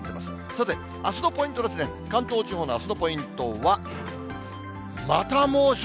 さて、あすのポイントですね、関東地方のあすのポイントは、また猛暑。